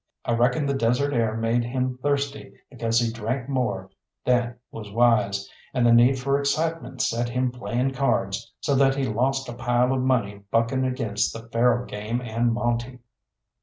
I reckon the desert air made him thirsty, because he drank more than was wise, and the need for excitement set him playing cards, so that he lost a pile of money bucking against the faro game and monte.